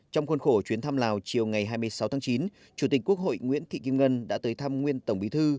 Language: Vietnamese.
trong khuôn khổ chuyến thăm lào chiều ngày hai mươi sáu tháng chín chủ tịch quốc hội nguyễn thị kim ngân đã tới thăm nguyên tổng bí thư